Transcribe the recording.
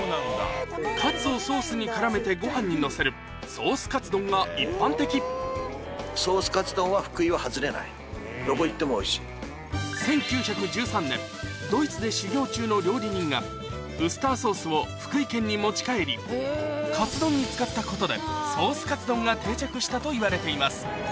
カツをソースに絡めてご飯にのせるソースカツ丼が一般的ドイツで修業中の料理人が持ち帰りカツ丼に使ったことでソースカツ丼が定着したといわれています